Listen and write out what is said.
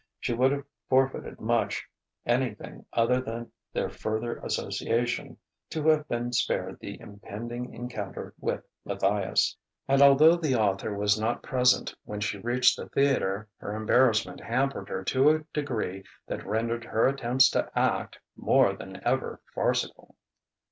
She would have forfeited much anything other than their further association to have been spared the impending encounter with Matthias. And although the author was not present when she reached the theatre, her embarrassment hampered her to a degree that rendered her attempts to act more than ever farcical.